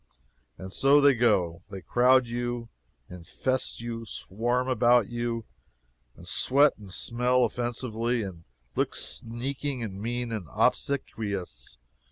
And so they go. They crowd you infest you swarm about you, and sweat and smell offensively, and look sneaking and mean, and obsequious.